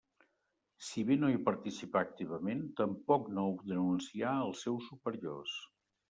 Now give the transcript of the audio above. Si bé no hi participà activament, tampoc no ho denuncià als seus superiors.